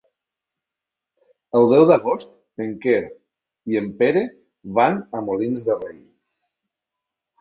El deu d'agost en Quer i en Pere van a Molins de Rei.